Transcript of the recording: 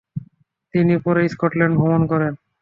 তিনি পরে স্কটল্যান্ড ভ্রমণ করেন।